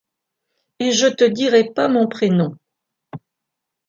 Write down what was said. Et je te dirai pas mon prénom.